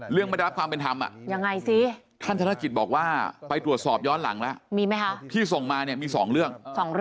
เรื่องไม่ได้รับความเป็นธรรมน่ะท่านธนาจิตบอกว่าไปตรวจสอบย้อนหลังแล้วที่ส่งมามี๒เรื่อง